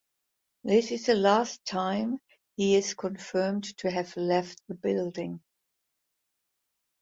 This is the last time he is confirmed to have left the building.